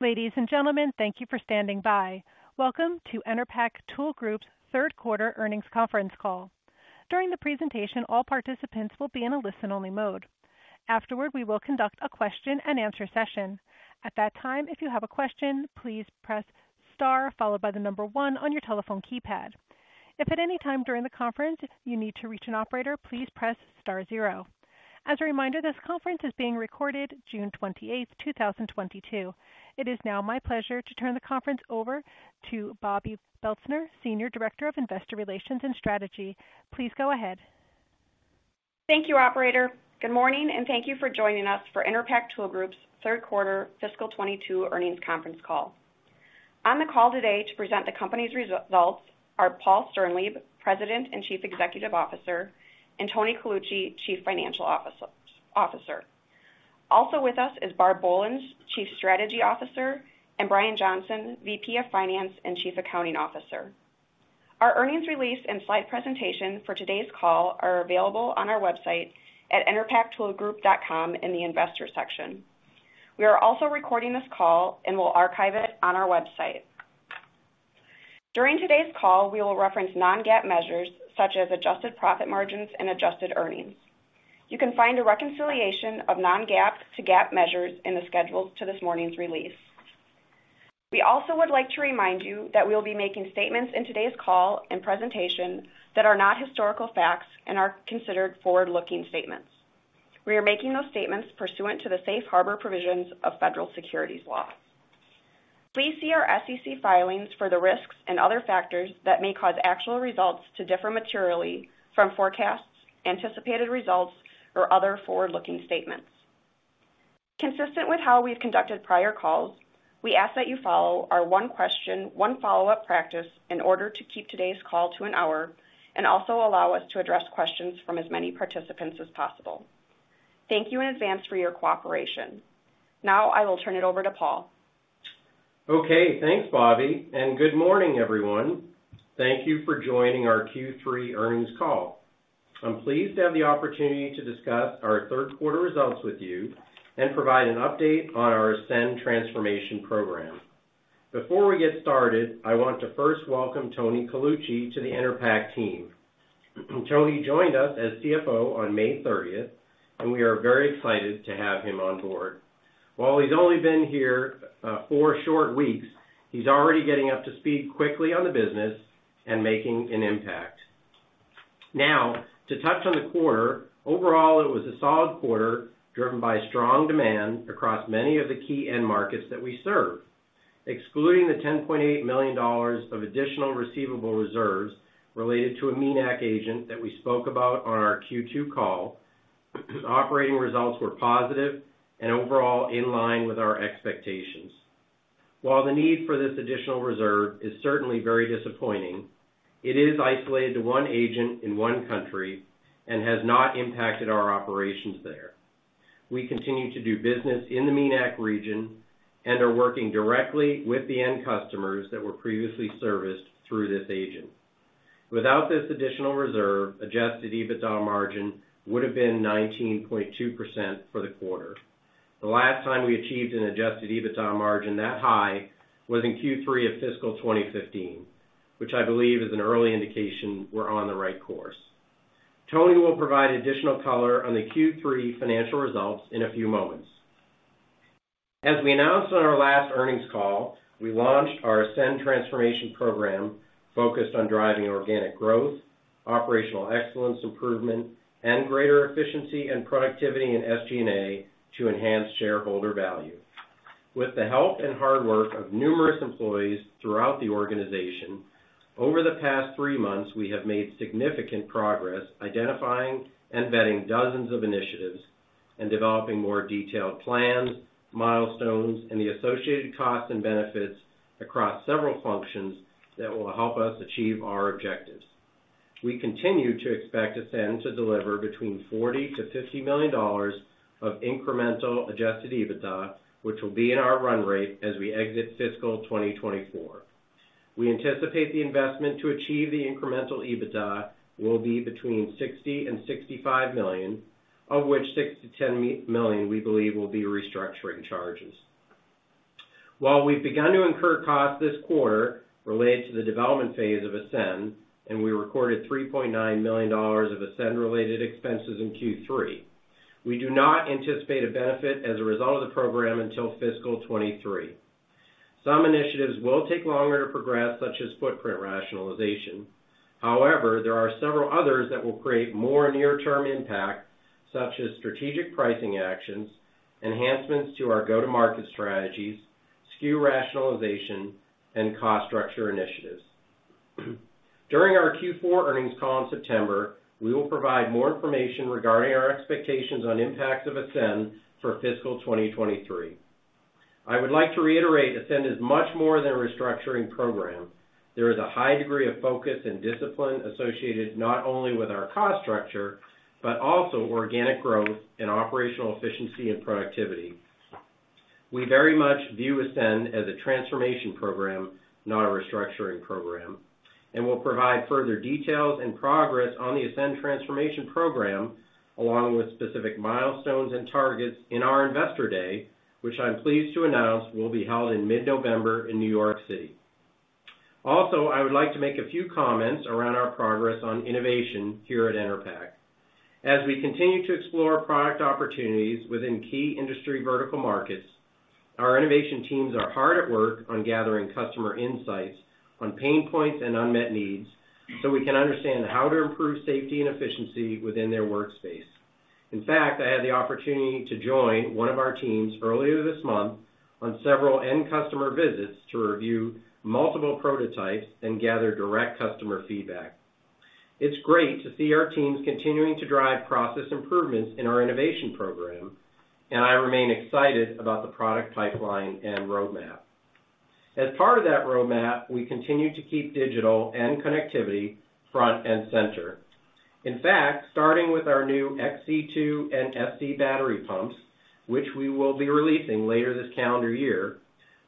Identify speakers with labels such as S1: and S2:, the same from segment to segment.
S1: Ladies and gentlemen, thank you for standing by. Welcome to Enerpac Tool Group's Third Quarter Earnings Conference Call. During the presentation, all participants will be in a listen-only mode. Afterward, we will conduct a question-and-answer session. At that time, if you have a question, please press star followed by the number one on your telephone keypad. If at any time during the conference you need to reach an operator, please press star zero. As a reminder, this conference is being recorded June 28th, 2022. It is now my pleasure to turn the conference over to Bobbi Belstner, Senior Director of Investor Relations & Strategy. Please go ahead.
S2: Thank you, operator. Good morning, and thank you for joining us for Enerpac Tool Group's third quarter fiscal 2022 earnings conference call. On the call today to present the company's results are Paul Sternlieb, President and Chief Executive Officer, and Anthony Colucci, Chief Financial Officer. Also with us is Barbara Bolens, Chief Strategy Officer, and Bryan Johnson, VP of Finance and Chief Accounting Officer. Our earnings release and slide presentation for today's call are available on our website at enerpactoolgroup.com in the Investors section. We are also recording this call and will archive it on our website. During today's call, we will reference non-GAAP measures such as adjusted profit margins and adjusted earnings. You can find a reconciliation of non-GAAP to GAAP measures in the schedules to this morning's release. We also would like to remind you that we will be making statements in today's call and presentation that are not historical facts and are considered forward-looking statements. We are making those statements pursuant to the Safe Harbor provisions of federal securities law. Please see our SEC filings for the risks and other factors that may cause actual results to differ materially from forecasts, anticipated results, or other forward-looking statements. Consistent with how we've conducted prior calls, we ask that you follow our one question, one follow-up practice in order to keep today's call to an hour and also allow us to address questions from as many participants as possible. Thank you in advance for your cooperation. Now I will turn it over to Paul.
S3: Okay, thanks, Bobbi, and good morning, everyone. Thank you for joining our Q3 earnings call. I'm pleased to have the opportunity to discuss our third quarter results with you and provide an update on our ASCEND transformation program. Before we get started, I want to first welcome Tony Colucci to the Enerpac team. Tony joined us as CFO on May 30th, and we are very excited to have him on board. While he's only been here, four short weeks, he's already getting up to speed quickly on the business and making an impact. Now, to touch on the quarter, overall, it was a solid quarter driven by strong demand across many of the key end markets that we serve. Excluding the $10.8 million of additional receivable reserves related to a MENAC agent that we spoke about on our Q2 call, operating results were positive and overall in line with our expectations. While the need for this additional reserve is certainly very disappointing, it is isolated to one agent in one country and has not impacted our operations there. We continue to do business in the MENAC region and are working directly with the end customers that were previously serviced through this agent. Without this additional reserve, adjusted EBITDA margin would have been 19.2% for the quarter. The last time we achieved an adjusted EBITDA margin that high was in Q3 of fiscal 2015, which I believe is an early indication we're on the right course. Tony will provide additional color on the Q3 financial results in a few moments. As we announced on our last earnings call, we launched our ASCEND transformation program focused on driving organic growth, operational excellence improvement, and greater efficiency and productivity in SG&A to enhance shareholder value. With the help and hard work of numerous employees throughout the organization, over the past three months, we have made significant progress identifying and vetting dozens of initiatives and developing more detailed plans, milestones, and the associated costs and benefits across several functions that will help us achieve our objectives. We continue to expect ASCEND to deliver between $40-$50 million of incremental adjusted EBITDA, which will be in our run rate as we exit fiscal 2024. We anticipate the investment to achieve the incremental EBITDA will be between $60-$65 million, of which $6-$10 million we believe will be restructuring charges. While we've begun to incur costs this quarter related to the development phase of ASCEND, and we recorded $3.9 million of ASCEND-related expenses in Q3, we do not anticipate a benefit as a result of the program until fiscal 2023. Some initiatives will take longer to progress, such as footprint rationalization. However, there are several others that will create more near-term impact, such as strategic pricing actions, enhancements to our go-to-market strategies, SKU rationalization, and cost structure initiatives. During our Q4 earnings call in September, we will provide more information regarding our expectations on impacts of ASCEND for fiscal 2023. I would like to reiterate ASCEND is much more than a restructuring program. There is a high degree of focus and discipline associated not only with our cost structure, but also organic growth and operational efficiency and productivity. We very much view ASCEND as a transformation program, not a restructuring program. We'll provide further details and progress on the ASCEND transformation program, along with specific milestones and targets in our investor day, which I'm pleased to announce will be held in mid-November in New York City. Also, I would like to make a few comments around our progress on innovation here at Enerpac. As we continue to explore product opportunities within key industry vertical markets, our innovation teams are hard at work on gathering customer insights on pain points and unmet needs so we can understand how to improve safety and efficiency within their workspace. In fact, I had the opportunity to join one of our teams earlier this month on several end customer visits to review multiple prototypes and gather direct customer feedback. It's great to see our teams continuing to drive process improvements in our innovation program, and I remain excited about the product pipeline and roadmap. As part of that roadmap, we continue to keep digital and connectivity front and center. In fact, starting with our new XC Two and SC battery pumps, which we will be releasing later this calendar year,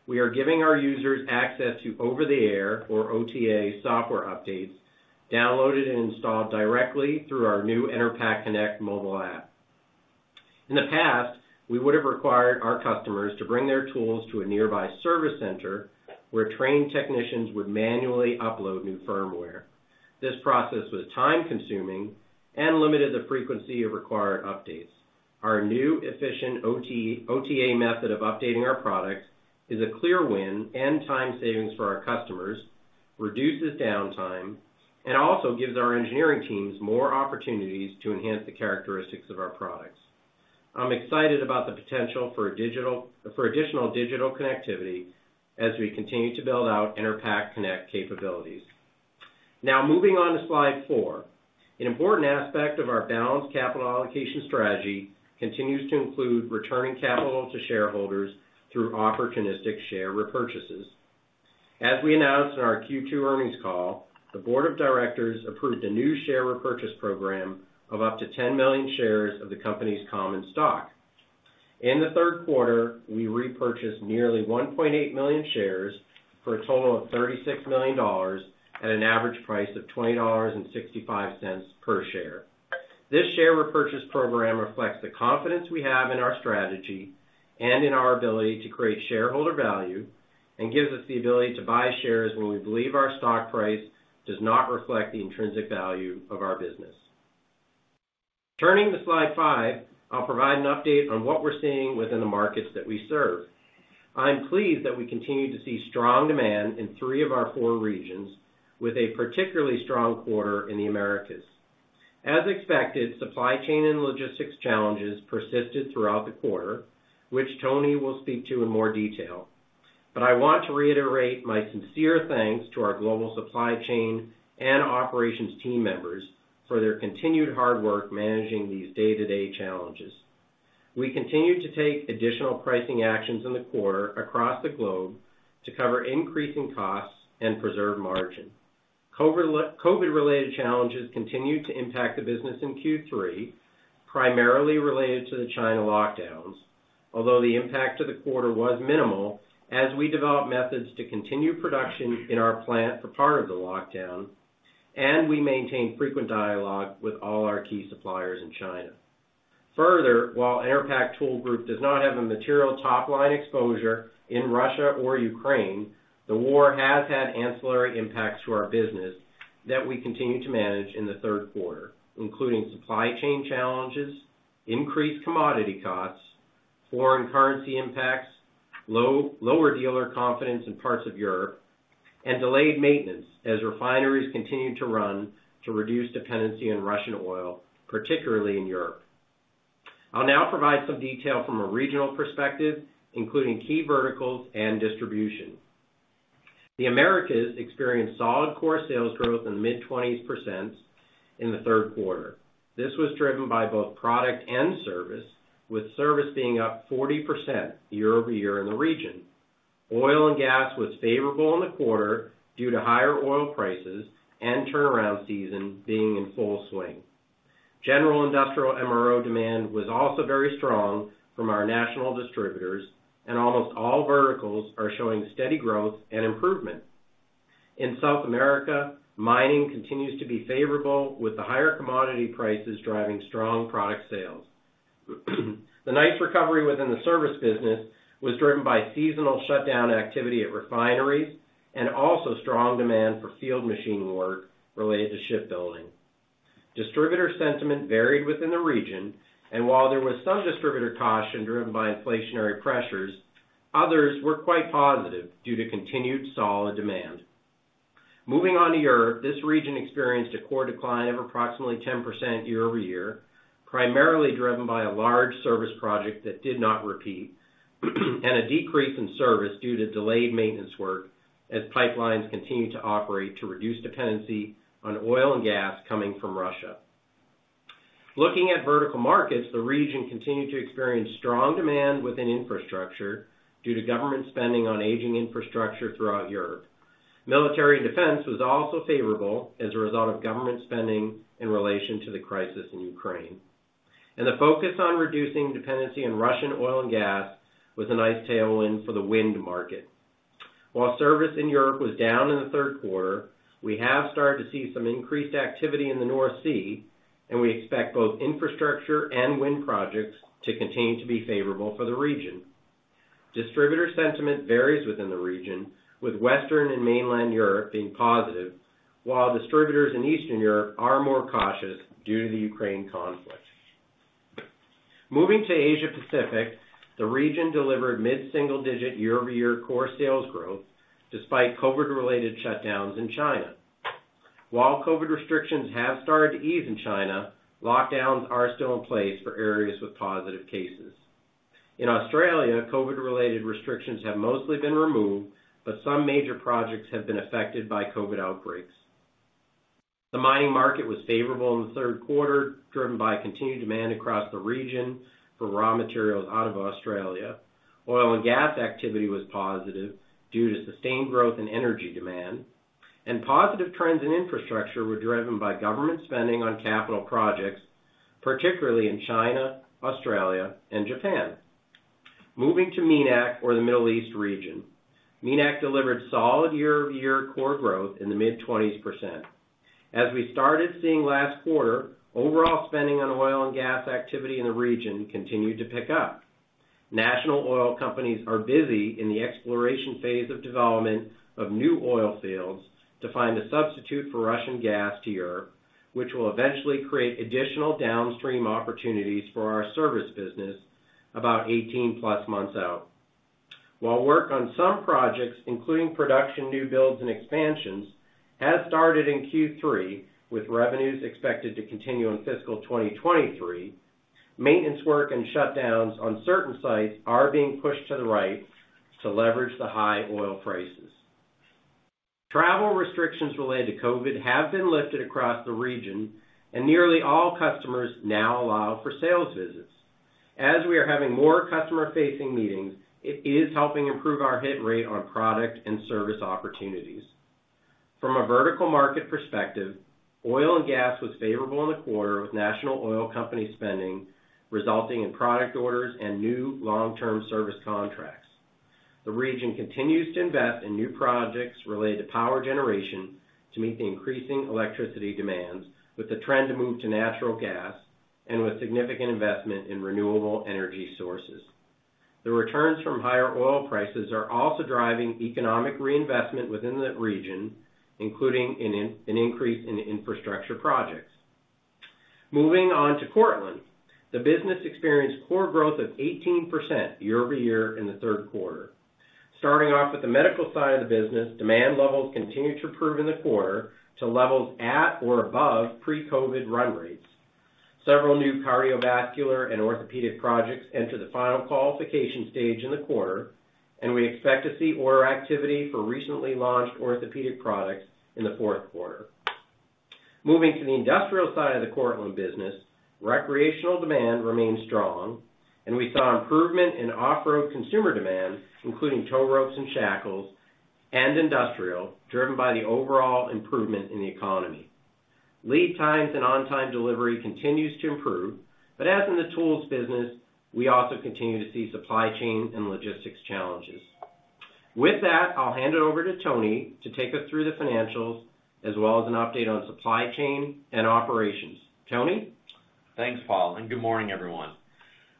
S3: we are giving our users access to over-the-air or OTA software updates, downloaded and installed directly through our new Enerpac Connect mobile app. In the past, we would have required our customers to bring their tools to a nearby service center where trained technicians would manually upload new firmware. This process was time-consuming and limited the frequency of required updates. Our new efficient OTA method of updating our products is a clear win and time savings for our customers, reduces downtime, and also gives our engineering teams more opportunities to enhance the characteristics of our products. I'm excited about the potential for additional digital connectivity as we continue to build out Enerpac Connect capabilities. Now moving on to slide four. An important aspect of our balanced capital allocation strategy continues to include returning capital to shareholders through opportunistic share repurchases. As we announced in our Q2 earnings call, the board of directors approved a new share repurchase program of up to 10 million shares of the company's common stock. In the third quarter, we repurchased nearly 1.8 million shares for a total of $36 million at an average price of $20.65 per share. This share repurchase program reflects the confidence we have in our strategy and in our ability to create shareholder value and gives us the ability to buy shares when we believe our stock price does not reflect the intrinsic value of our business. Turning to slide five, I'll provide an update on what we're seeing within the markets that we serve. I'm pleased that we continue to see strong demand in three of our four regions, with a particularly strong quarter in the Americas. As expected, supply chain and logistics challenges persisted throughout the quarter, which Tony will speak to in more detail. I want to reiterate my sincere thanks to our global supply chain and operations team members for their continued hard work managing these day-to-day challenges. We continued to take additional pricing actions in the quarter across the globe to cover increasing costs and preserve margin. COVID-related challenges continued to impact the business in Q3, primarily related to the China lockdowns, although the impact to the quarter was minimal as we developed methods to continue production in our plant for part of the lockdown, and we maintained frequent dialogue with all our key suppliers in China. Further, while Enerpac Tool Group does not have a material top-line exposure in Russia or Ukraine, the war has had ancillary impacts to our business that we continued to manage in the third quarter, including supply chain challenges, increased commodity costs, foreign currency impacts, lower dealer confidence in parts of Europe, and delayed maintenance as refineries continued to run to reduce dependency on Russian oil, particularly in Europe. I'll now provide some detail from a regional perspective, including key verticals and distribution. The Americas experienced solid core sales growth in mid-20% in the third quarter. This was driven by both product and service, with service being up 40% year-over-year in the region. Oil and gas was favorable in the quarter due to higher oil prices and turnaround season being in full swing. General industrial MRO demand was also very strong from our national distributors, and almost all verticals are showing steady growth and improvement. In South America, mining continues to be favorable, with the higher commodity prices driving strong product sales. The nice recovery within the service business was driven by seasonal shutdown activity at refineries and also strong demand for field machine work related to shipbuilding. Distributor sentiment varied within the region, and while there was some distributor caution driven by inflationary pressures, others were quite positive due to continued solid demand. Moving on to Europe, this region experienced a core decline of approximately 10% year-over-year, primarily driven by a large service project that did not repeat, and a decrease in service due to delayed maintenance work as pipelines continued to operate to reduce dependency on oil and gas coming from Russia. Looking at vertical markets, the region continued to experience strong demand within infrastructure due to government spending on aging infrastructure throughout Europe. Military and defense was also favorable as a result of government spending in relation to the crisis in Ukraine. The focus on reducing dependency on Russian oil and gas was a nice tailwind for the wind market. While service in Europe was down in the third quarter, we have started to see some increased activity in the North Sea, and we expect both infrastructure and wind projects to continue to be favorable for the region. Distributor sentiment varies within the region, with Western and mainland Europe being positive, while distributors in Eastern Europe are more cautious due to the Ukraine conflict. Moving to Asia Pacific, the region delivered mid-single digit year-over-year core sales growth despite COVID-related shutdowns in China. While COVID restrictions have started to ease in China, lockdowns are still in place for areas with positive cases. In Australia, COVID-related restrictions have mostly been removed, but some major projects have been affected by COVID outbreaks. The mining market was favorable in the third quarter, driven by continued demand across the region for raw materials out of Australia. Oil and gas activity was positive due to sustained growth in energy demand, and positive trends in infrastructure were driven by government spending on capital projects, particularly in China, Australia, and Japan. Moving to MENAC or the Middle East region. MENAC delivered solid year-over-year core growth in the mid-20s%. As we started seeing last quarter, overall spending on oil and gas activity in the region continued to pick up. National oil companies are busy in the exploration phase of development of new oil fields to find a substitute for Russian gas to Europe, which will eventually create additional downstream opportunities for our service business about 18+ months out. While work on some projects, including production, new builds, and expansions, has started in Q3, with revenues expected to continue in fiscal 2023, maintenance work and shutdowns on certain sites are being pushed to the right to leverage the high oil prices. Travel restrictions related to COVID have been lifted across the region, and nearly all customers now allow for sales visits. As we are having more customer-facing meetings, it is helping improve our hit rate on product and service opportunities. From a vertical market perspective, oil and gas was favorable in the quarter, with national oil company spending resulting in product orders and new long-term service contracts. The region continues to invest in new projects related to power generation to meet the increasing electricity demands with the trend to move to natural gas and with significant investment in renewable energy sources. The returns from higher oil prices are also driving economic reinvestment within the region, including an increase in infrastructure projects. Moving on to Cortland. The business experienced core growth of 18% year-over-year in the third quarter. Starting off with the medical side of the business, demand levels continued to improve in the quarter to levels at or above pre-COVID run rates. Several new cardiovascular and orthopedic projects entered the final qualification stage in the quarter, and we expect to see order activity for recently launched orthopedic products in the fourth quarter. Moving to the industrial side of the Cortland business, recreational demand remained strong, and we saw improvement in off-road consumer demand, including tow ropes and shackles, and industrial, driven by the overall improvement in the economy. Lead times and on-time delivery continues to improve, but as in the tools business, we also continue to see supply chain and logistics challenges. With that, I'll hand it over to Tony to take us through the financials as well as an update on supply chain and operations. Tony?
S4: Thanks, Paul, and good morning, everyone.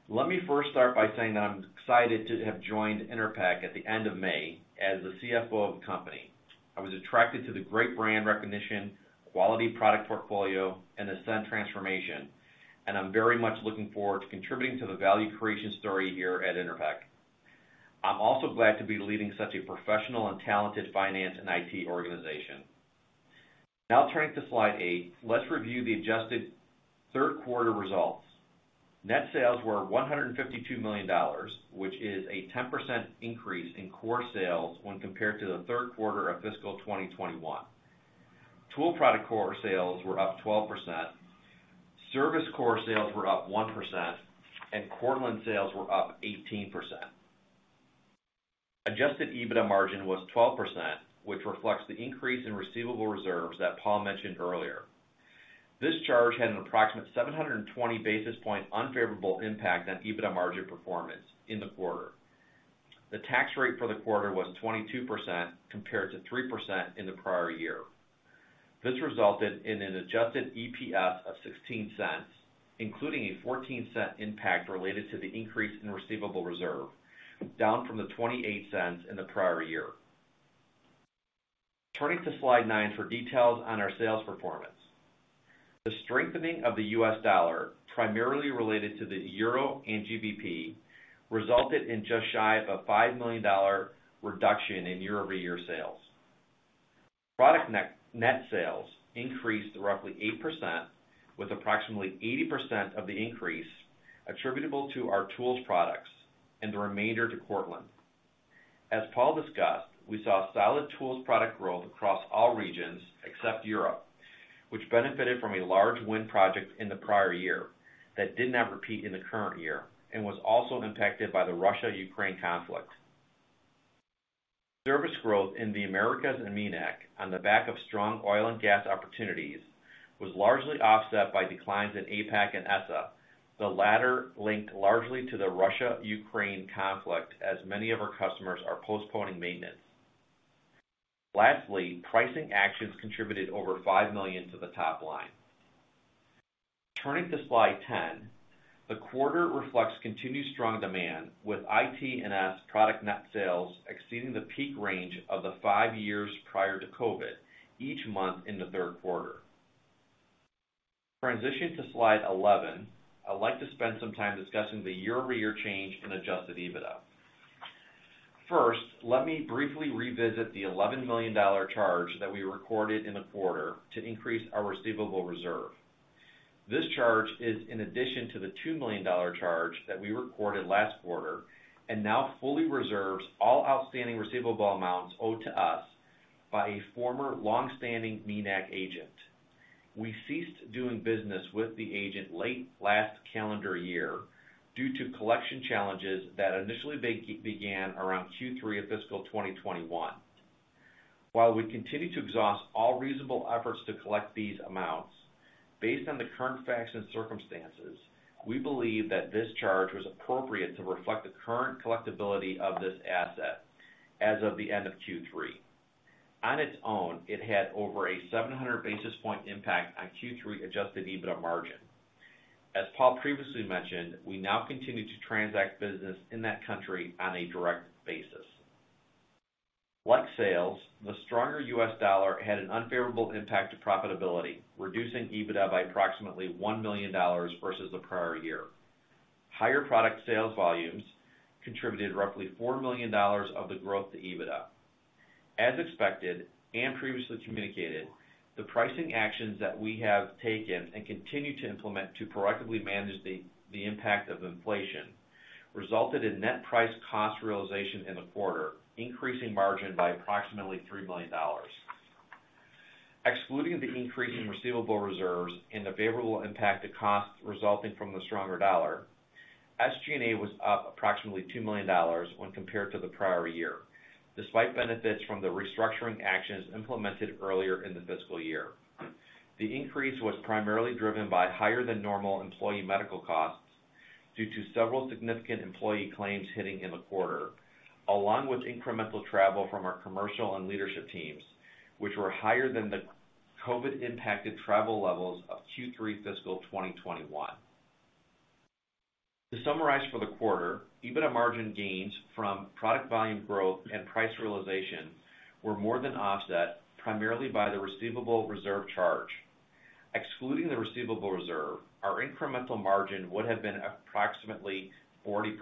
S4: Let me first start by saying that I'm excited to have joined Enerpac at the end of May as the CFO of the company. I was attracted to the great brand recognition, quality product portfolio, and ASCEND transformation, and I'm very much looking forward to contributing to the value creation story here at Enerpac. I'm also glad to be leading such a professional and talented finance and IT organization. Now turning to slide eight, let's review the adjusted third quarter results. Net sales were $152 million, which is a 10% increase in core sales when compared to the third quarter of fiscal 2021. Tool product core sales were up 12%, service core sales were up 1%, and Cortland sales were up 18%. Adjusted EBITDA margin was 12%, which reflects the increase in receivable reserves that Paul mentioned earlier. This charge had an approximate 720 basis point unfavorable impact on EBITDA margin performance in the quarter. The tax rate for the quarter was 22%, compared to 3% in the prior year. This resulted in an adjusted EPS of $0.16, including a $0.14 impact related to the increase in receivable reserve, down from the $0.28 in the prior year. Turning to slide nine for details on our sales performance. The strengthening of the U.S. dollar, primarily related to the euro and GBP, resulted in just shy of a $5 million reduction in year-over-year sales. Product net sales increased roughly 8%, with approximately 80% of the increase attributable to our tools products and the remainder to Cortland. As Paul discussed, we saw solid tools product growth across all regions except Europe, which benefited from a large wind project in the prior year that did not repeat in the current year and was also impacted by the Russia-Ukraine conflict. Service growth in the Americas and MENAC on the back of strong oil and gas opportunities was largely offset by declines in APAC and ESSA, the latter linked largely to the Russia-Ukraine conflict as many of our customers are postponing maintenance. Lastly, pricing actions contributed over $5 million to the top line. Turning to slide 10, the quarter reflects continued strong demand with IT&S product net sales exceeding the peak range of the five years prior to COVID each month in the third quarter. Turning to slide 11, I'd like to spend some time discussing the year-over-year change in adjusted EBITDA. First, let me briefly revisit the $11 million charge that we recorded in the quarter to increase our receivable reserve. This charge is in addition to the $2 million charge that we recorded last quarter and now fully reserves all outstanding receivable amounts owed to us by a former long-standing MENAC agent. We ceased doing business with the agent late last calendar year due to collection challenges that initially began around Q3 of fiscal 2021. While we continue to exhaust all reasonable efforts to collect these amounts, based on the current facts and circumstances, we believe that this charge was appropriate to reflect the current collectibility of this asset as of the end of Q3. On its own, it had over a 700 basis points impact on Q3 adjusted EBITDA margin. As Paul previously mentioned, we now continue to transact business in that country on a direct basis. Like sales, the stronger U.S. dollar had an unfavorable impact to profitability, reducing EBITDA by approximately $1 million versus the prior year. Higher product sales volumes contributed roughly $4 million of the growth to EBITDA. As expected and previously communicated, the pricing actions that we have taken and continue to implement to proactively manage the impact of inflation resulted in net price cost realization in the quarter, increasing margin by approximately $3 million. Excluding the increase in receivable reserves and the favorable impact to costs resulting from the stronger dollar, SG&A was up approximately $2 million when compared to the prior year, despite benefits from the restructuring actions implemented earlier in the fiscal year. The increase was primarily driven by higher than normal employee medical costs due to several significant employee claims hitting in the quarter, along with incremental travel from our commercial and leadership teams, which were higher than the COVID impacted travel levels of Q3 fiscal 2021. To summarize for the quarter, EBITDA margin gains from product volume growth and price realization were more than offset primarily by the receivable reserve charge. Excluding the receivable reserve, our incremental margin would have been approximately 40%,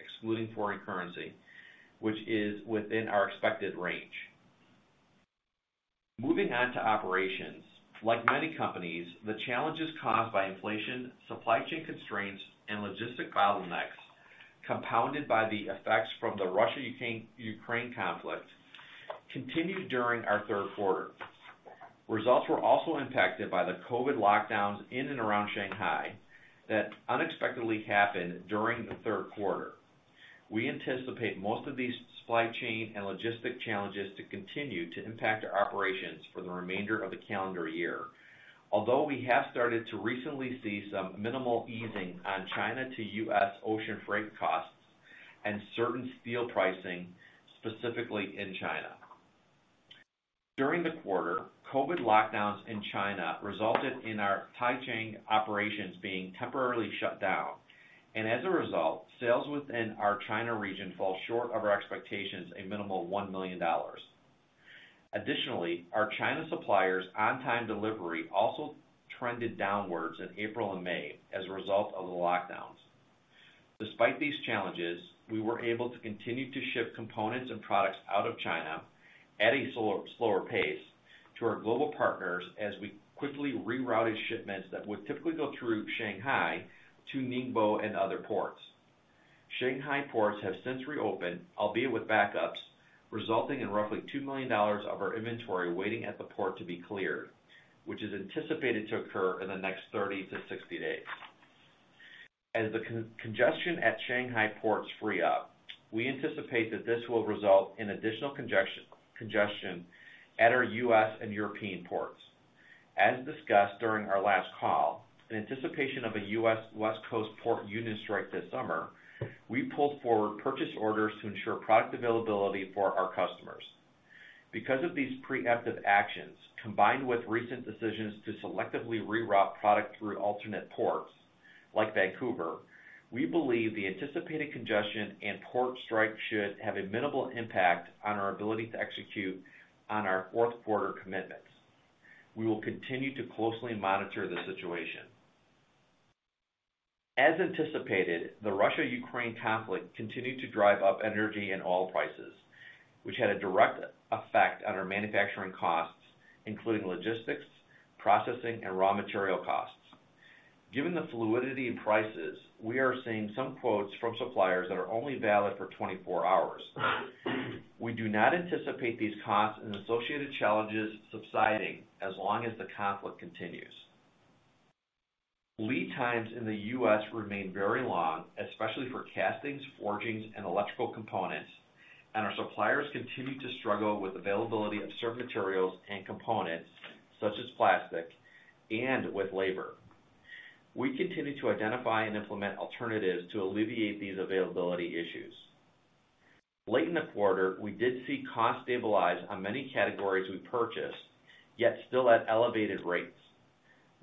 S4: excluding foreign currency, which is within our expected range. Moving on to operations. Like many companies, the challenges caused by inflation, supply chain constraints, and logistics bottlenecks, compounded by the effects from the Russia-Ukraine conflict, continued during our third quarter. Results were also impacted by the COVID lockdowns in and around Shanghai that unexpectedly happened during the third quarter. We anticipate most of these supply chain and logistic challenges to continue to impact our operations for the remainder of the calendar year. Although we have started to recently see some minimal easing on China to U.S. ocean freight costs and certain steel pricing, specifically in China. During the quarter, COVID lockdowns in China resulted in our Taicang operations being temporarily shut down. As a result, sales within our China region fell short of our expectations by a minimal $1 million. Additionally, our China suppliers' on-time delivery also trended downwards in April and May as a result of the lockdowns. Despite these challenges, we were able to continue to ship components and products out of China at a slower pace to our global partners as we quickly rerouted shipments that would typically go through Shanghai to Ningbo and other ports. Shanghai ports have since reopened, albeit with backups, resulting in roughly $2 million of our inventory waiting at the port to be cleared, which is anticipated to occur in the next 30-60 days. As the congestion at Shanghai ports free up, we anticipate that this will result in additional congestion at our U.S. and European ports. As discussed during our last call, in anticipation of a U.S. West Coast port union strike this summer, we pulled forward purchase orders to ensure product availability for our customers. Because of these preemptive actions, combined with recent decisions to selectively reroute product through alternate ports like Vancouver, we believe the anticipated congestion and port strike should have a minimal impact on our ability to execute on our fourth quarter commitments. We will continue to closely monitor the situation. As anticipated, the Russia-Ukraine conflict continued to drive up energy and oil prices, which had a direct effect on our manufacturing costs, including logistics, processing, and raw material costs. Given the fluidity in prices, we are seeing some quotes from suppliers that are only valid for 24 hours. We do not anticipate these costs and associated challenges subsiding as long as the conflict continues. Lead times in the U.S. remain very long, especially for castings, forgings, and electrical components, and our suppliers continue to struggle with availability of certain materials and components such as plastic and with labor. We continue to identify and implement alternatives to alleviate these availability issues. Late in the quarter, we did see costs stabilize on many categories we purchased, yet still at elevated rates.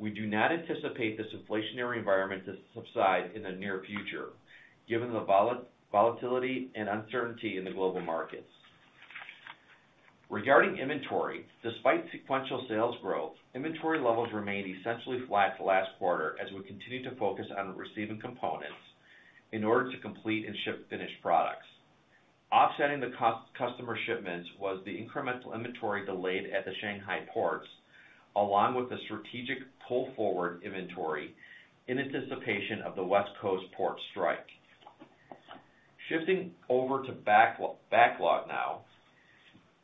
S4: We do not anticipate this inflationary environment to subside in the near future given the volatility and uncertainty in the global markets. Regarding inventory, despite sequential sales growth, inventory levels remained essentially flat the last quarter as we continued to focus on receiving components in order to complete and ship finished products. Offsetting the customer shipments was the incremental inventory delayed at the Shanghai ports, along with the strategic pull-forward inventory in anticipation of the West Coast port strike. Shifting over to backlog now.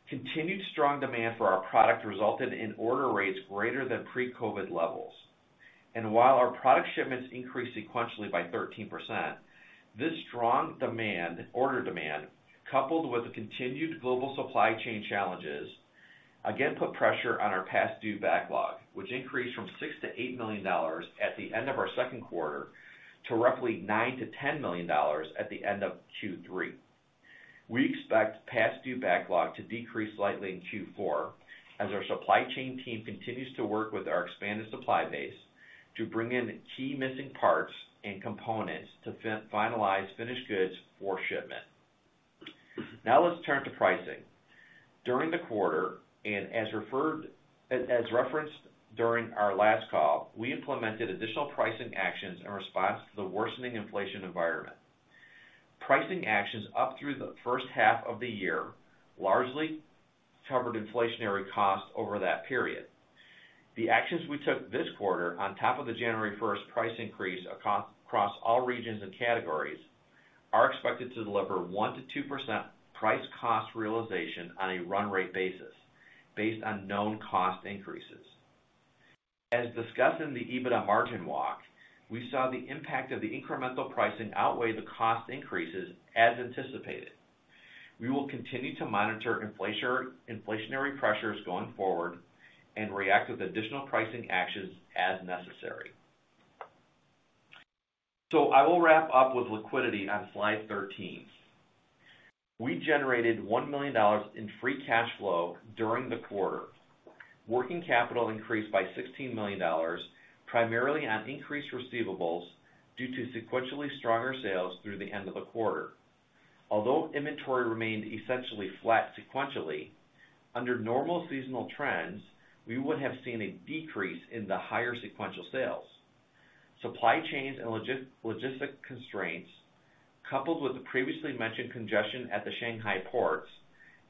S4: Continued strong demand for our product resulted in order rates greater than pre-COVID levels. While our product shipments increased sequentially by 13%, this strong demand, order demand, coupled with the continued global supply chain challenges, again put pressure on our past due backlog, which increased from $6 million-$8 million at the end of our second quarter to roughly $9 million-$10 million at the end of Q3. We expect past due backlog to decrease slightly in Q4 as our supply chain team continues to work with our expanded supply base to bring in key missing parts and components to finalize finished goods for shipment. Now let's turn to pricing. During the quarter, as referenced during our last call, we implemented additional pricing actions in response to the worsening inflation environment. Pricing actions up through the first half of the year largely covered inflationary costs over that period. The actions we took this quarter on top of the January 1st price increase across all regions and categories are expected to deliver 1%-2% price cost realization on a run rate basis based on known cost increases. As discussed in the EBITDA margin walk, we saw the impact of the incremental pricing outweigh the cost increases as anticipated. We will continue to monitor inflationary pressures going forward and react with additional pricing actions as necessary. I will wrap up with liquidity on slide 13. We generated $1 million in free cash flow during the quarter. Working capital increased by $16 million, primarily on increased receivables due to sequentially stronger sales through the end of the quarter. Although inventory remained essentially flat sequentially, under normal seasonal trends, we would have seen a decrease in the higher sequential sales. Supply chains and logistic constraints, coupled with the previously mentioned congestion at the Shanghai ports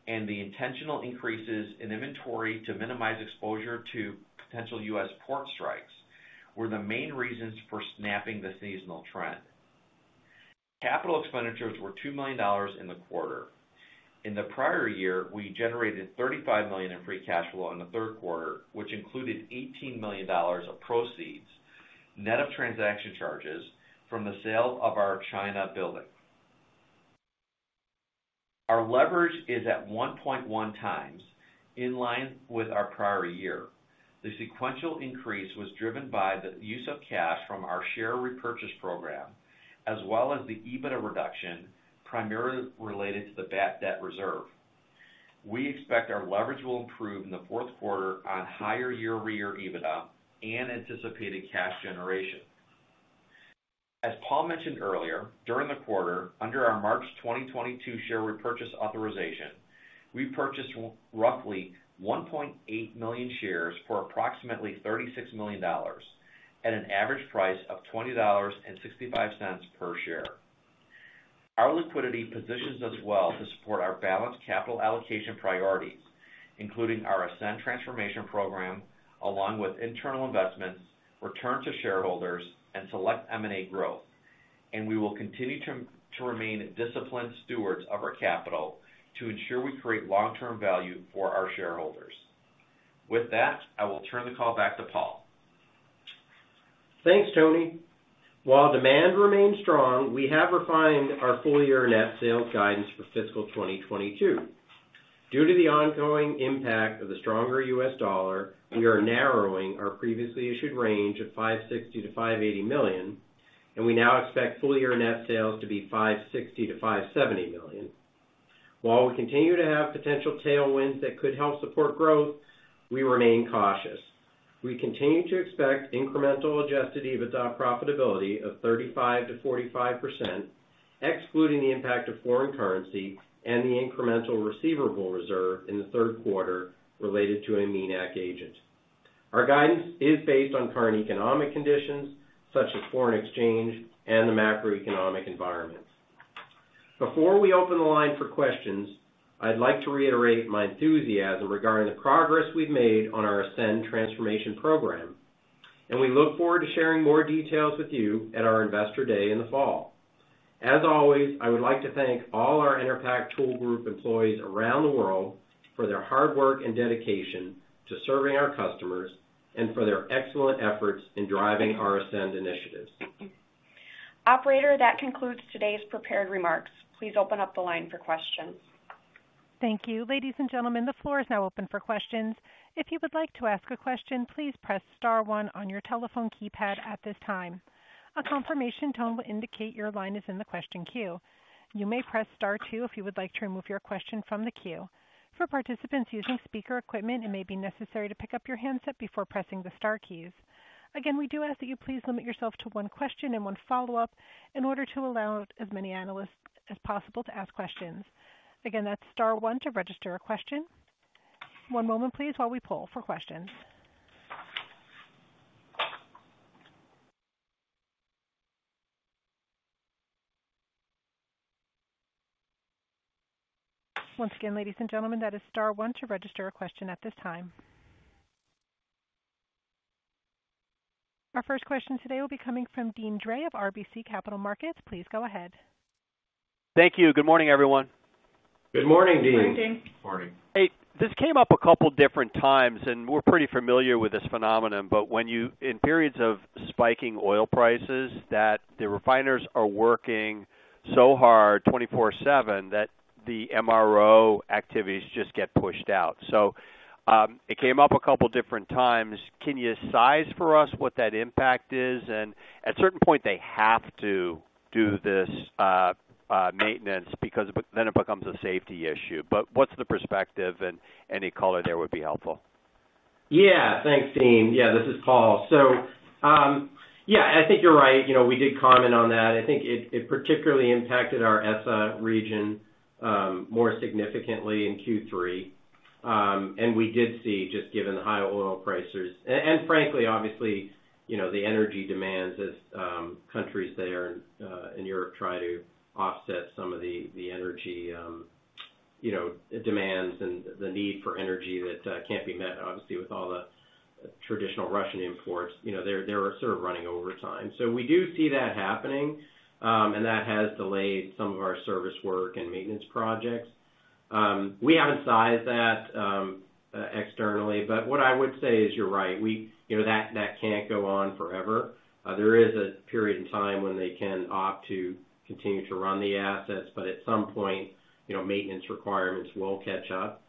S4: and the intentional increases in inventory to minimize exposure to potential U.S. port strikes, were the main reasons for snapping the seasonal trend. Capital expenditures were $2 million in the quarter. In the prior year, we generated $35 million in free cash flow in the third quarter, which included $18 million of proceeds, net of transaction charges, from the sale of our China building. Our leverage is at 1.1 times, in line with our prior year. The sequential increase was driven by the use of cash from our share repurchase program, as well as the EBITDA reduction primarily related to the bad debt reserve. We expect our leverage will improve in the fourth quarter on higher year-over-year EBITDA and anticipated cash generation. As Paul mentioned earlier, during the quarter, under our March 2022 share repurchase authorization, we purchased roughly 1.8 million shares for approximately $36 million at an average price of $20.65 per share. Our liquidity positions us well to support our balanced capital allocation priorities, including our ASCEND transformation program, along with internal investments, return to shareholders, and select M&A growth. We will continue to remain disciplined stewards of our capital to ensure we create long-term value for our shareholders. With that, I will turn the call back to Paul.
S3: Thanks, Tony. While demand remains strong, we have refined our full-year net sales guidance for fiscal 2022. Due to the ongoing impact of the stronger U.S. dollar, we are narrowing our previously issued range of $560-$580 million, and we now expect full-year net sales to be $560-$570 million. While we continue to have potential tailwinds that could help support growth, we remain cautious. We continue to expect incremental adjusted EBITDA profitability of 35%-45%, excluding the impact of foreign currency and the incremental receivable reserve in the third quarter related to a MENAC agent. Our guidance is based on current economic conditions such as foreign exchange and the macroeconomic environment. Before we open the line for questions, I'd like to reiterate my enthusiasm regarding the progress we've made on our ASCEND transformation program, and we look forward to sharing more details with you at our Investor Day in the fall. As always, I would like to thank all our Enerpac Tool Group employees around the world for their hard work and dedication to serving our customers and for their excellent efforts in driving our ASCEND initiatives.
S2: Operator, that concludes today's prepared remarks. Please open up the line for questions.
S1: Thank you. Ladies and gentlemen, the floor is now open for questions. If you would like to ask a question, please press star one on your telephone keypad at this time. A confirmation tone will indicate your line is in the question queue. You may press star two if you would like to remove your question from the queue. For participants using speaker equipment, it may be necessary to pick up your handset before pressing the star keys. Again, we do ask that you please limit yourself to one question and one follow-up in order to allow as many analysts as possible to ask questions. Again, that's star one to register a question. One moment please while we poll for questions. Once again, ladies and gentlemen, that is star one to register a question at this time. Our first question today will be coming from Deane Dray of RBC Capital Markets. Please go ahead.
S5: Thank you. Good morning, everyone.
S3: Good morning, Deane.
S2: Good morning, Deane.
S4: Morning.
S6: Hey, this came up a couple different times, and we're pretty familiar with this phenomenon, but in periods of spiking oil prices that the refiners are working so hard 24/7, that the MRO activities just get pushed out. It came up a couple different times. Can you size for us what that impact is? At a certain point, they have to do this maintenance because then it becomes a safety issue. What's the perspective? Any color there would be helpful.
S3: Yeah. Thanks, Dean. Yeah, this is Paul. I think you're right. You know, we did comment on that. I think it particularly impacted our ESSA region more significantly in Q3. We did see, just given the high oil prices, and frankly, obviously, you know, the energy demands as countries there in Europe try to offset some of the energy demands and the need for energy that can't be met, obviously, with all the traditional Russian imports, you know, they're sort of running overtime. We do see that happening, and that has delayed some of our service work and maintenance projects. We haven't sized that externally, but what I would say is you're right. You know, that can't go on forever. There is a period in time when they can opt to continue to run the assets, but at some point, you know, maintenance requirements will catch up.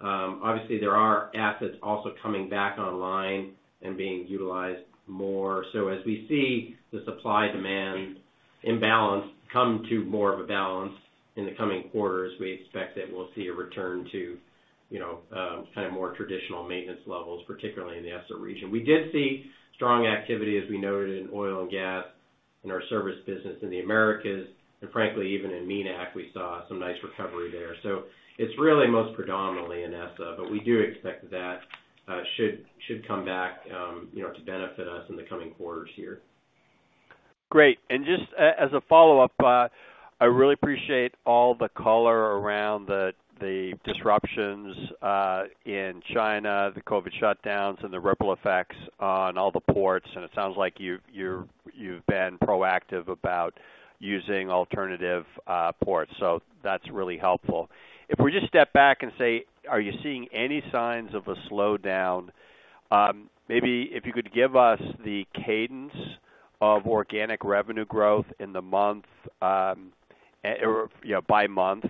S3: Obviously there are assets also coming back online and being utilized more. As we see the supply-demand imbalance come to more of a balance in the coming quarters, we expect that we'll see a return to, you know, kind of more traditional maintenance levels, particularly in the ESSA region. We did see strong activity, as we noted, in oil and gas in our service business in the Americas, and frankly, even in MENAC, we saw some nice recovery there. It's really most predominantly in ESSA, but we do expect that should come back, you know, to benefit us in the coming quarters here.
S5: Great. Just as a follow-up, I really appreciate all the color around the disruptions in China, the COVID shutdowns, and the ripple effects on all the ports, and it sounds like you've been proactive about using alternative ports, so that's really helpful. If we just step back and say, are you seeing any signs of a slowdown? Maybe if you could give us the cadence of organic revenue growth in the month, you know, by month,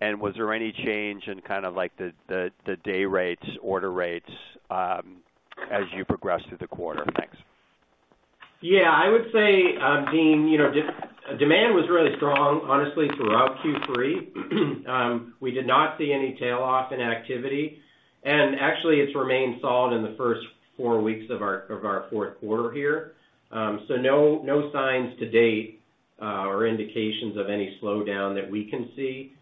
S5: and was there any change in kind of like the day rates, order rates, as you progressed through the quarter? Thanks.
S3: Yeah. I would say, Deane, you know, demand was really strong honestly throughout Q3. We did not see any tail off in activity, and actually it's remained solid in the first four weeks of our fourth quarter here. So no signs to date or indications of any slowdown that we can see,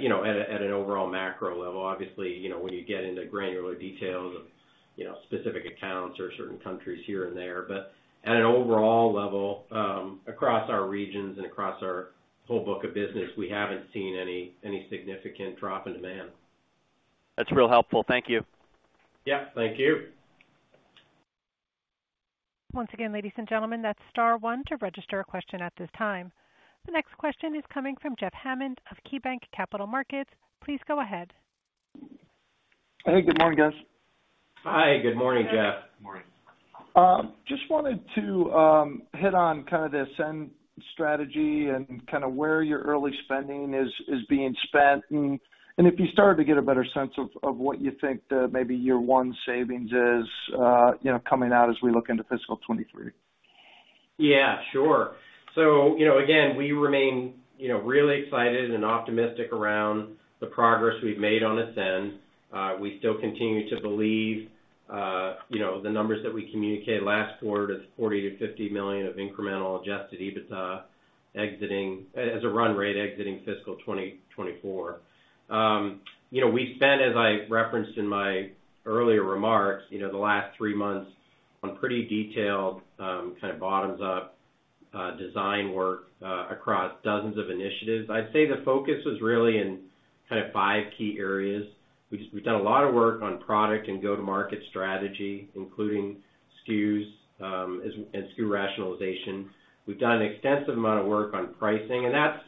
S3: you know, at an overall macro level. Obviously, you know, when you get into granular details of, you know, specific accounts or certain countries here and there. At an overall level, across our regions and across our whole book of business, we haven't seen any significant drop in demand.
S5: That's real helpful. Thank you.
S3: Yeah, thank you.
S1: Once again, ladies and gentlemen, that's star one to register a question at this time. The next question is coming from Jeff Hammond of KeyBanc Capital Markets. Please go ahead.
S7: Hey, good morning, guys.
S3: Hi, good morning, Jeff.
S7: Good morning. Just wanted to hit on kind of the ASCEND strategy and kind of where your early spending is being spent, and if you started to get a better sense of what you think the maybe year one savings is, you know, coming out as we look into fiscal 2023.
S3: Yeah, sure. You know, again, we remain, you know, really excited and optimistic around the progress we've made on ASCEND. We still continue to believe, you know, the numbers that we communicated last quarter, that's $40 million-$50 million of incremental adjusted EBITDA exiting as a run rate exiting fiscal 2024. You know, we spent, as I referenced in my earlier remarks, you know, the last three months on pretty detailed kind of bottoms up design work across dozens of initiatives. I'd say the focus is really in kind of five key areas. We've done a lot of work on product and go-to-market strategy, including SKUs, as SKU rationalization. We've done an extensive amount of work on pricing, and that's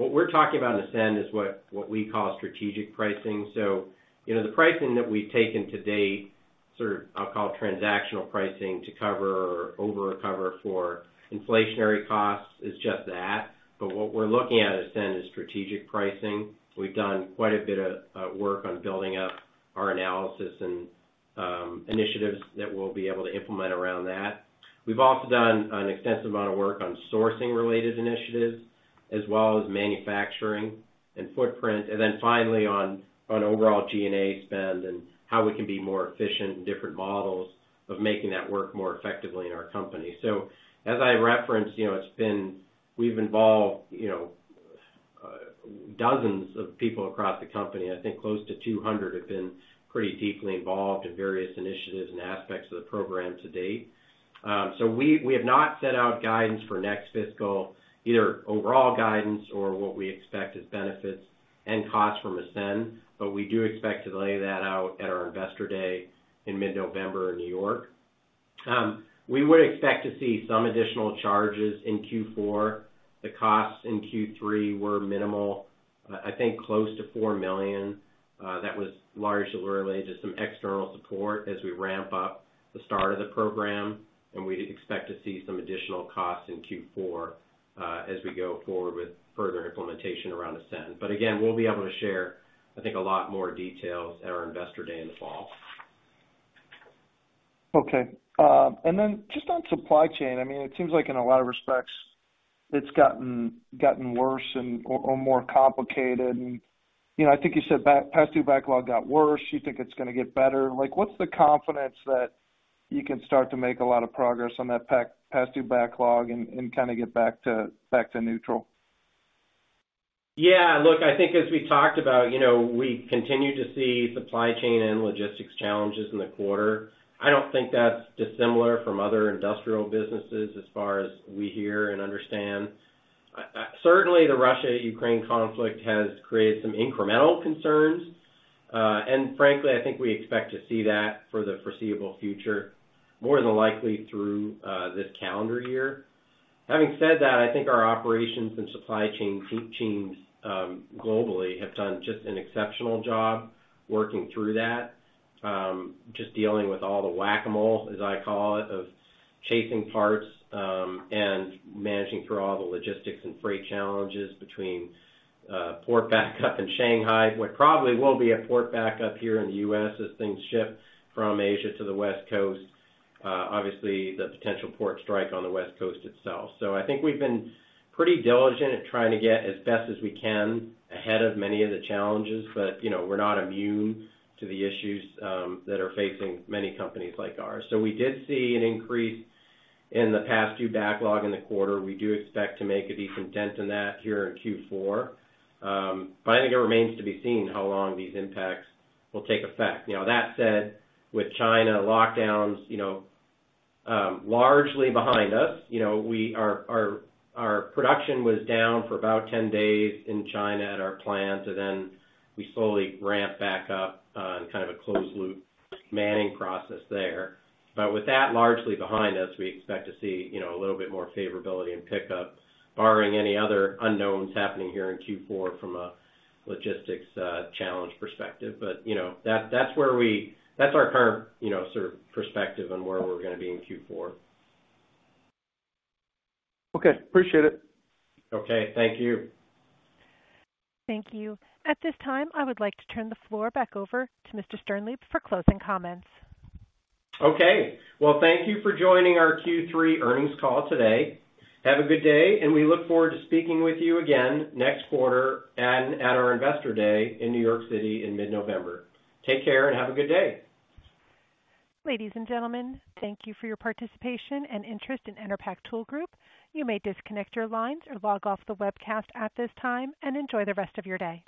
S3: what we're talking about in ASCEND is what we call strategic pricing. You know, the pricing that we've taken to date, sort of I'll call transactional pricing to cover or overcover for inflationary costs, is just that. What we're looking at ASCEND is strategic pricing. We've done quite a bit of work on building up our analysis and initiatives that we'll be able to implement around that. We've also done an extensive amount of work on sourcing related initiatives, as well as manufacturing and footprint, and then finally on overall G&A spend and how we can be more efficient in different models of making that work more effectively in our company. As I referenced, you know, it's been. We've involved, you know, dozens of people across the company. I think close to 200 have been pretty deeply involved in various initiatives and aspects of the program to date. We have not set out guidance for next fiscal, either overall guidance or what we expect as benefits and costs from ASCEND, but we do expect to lay that out at our Investor Day in mid-November in New York. We would expect to see some additional charges in Q4. The costs in Q3 were minimal, I think close to $4 million. That was largely related to some external support as we ramp up the start of the program, and we expect to see some additional costs in Q4, as we go forward with further implementation around ASCEND. Again, we'll be able to share, I think, a lot more details at our Investor Day in the fall.
S7: Okay. Just on supply chain, I mean, it seems like in a lot of respects it's gotten worse or more complicated and, you know, I think you said past due backlog got worse. You think it's gonna get better. Like, what's the confidence that you can start to make a lot of progress on that past due backlog and kinda get back to neutral?
S3: Yeah. Look, I think as we talked about, you know, we continue to see supply chain and logistics challenges in the quarter. I don't think that's dissimilar from other industrial businesses as far as we hear and understand. Certainly the Russia-Ukraine conflict has created some incremental concerns. And frankly, I think we expect to see that for the foreseeable future, more than likely through this calendar year. Having said that, I think our operations and supply chain teams globally have done just an exceptional job working through that, just dealing with all the whack-a-mole, as I call it, of chasing parts and managing through all the logistics and freight challenges between port backup in Shanghai, what probably will be a port backup here in the U.S. as things shift from Asia to the West Coast, obviously the potential port strike on the West Coast itself. I think we've been pretty diligent at trying to get as best as we can ahead of many of the challenges, but, you know, we're not immune to the issues that are facing many companies like ours. We did see an increase in the past due backlog in the quarter. We do expect to make a decent dent in that here in Q4. I think it remains to be seen how long these impacts will take effect. You know, that said, with China lockdowns largely behind us, our production was down for about 10 days in China at our plant, and then we slowly ramp back up on kind of a closed loop manning process there. With that largely behind us, we expect to see, you know, a little bit more favorability and pickup barring any other unknowns happening here in Q4 from a logistics challenge perspective. You know, that's where that's our current, you know, sort of perspective on where we're gonna be in Q4.
S7: Okay. Appreciate it.
S3: Okay. Thank you.
S1: Thank you. At this time, I would like to turn the floor back over to Mr. Sternlieb for closing comments.
S3: Okay. Well, thank you for joining our Q3 earnings call today. Have a good day, and we look forward to speaking with you again next quarter and at our Investor Day in New York City in mid-November. Take care and have a good day.
S1: Ladies and gentlemen, thank you for your participation and interest in Enerpac Tool Group. You may disconnect your lines or log off the webcast at this time, and enjoy the rest of your day.